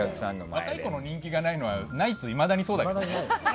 若い子の人気がないのはナイツ、今もそうだけどね。